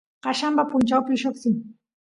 qallamba punchawpi lloqsin